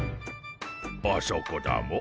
あそこだモ。